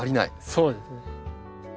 そうですね。